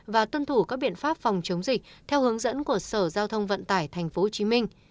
và tuân thủ các biện pháp phòng chống dịch theo hướng dẫn của sở giao thông vận tải tp hcm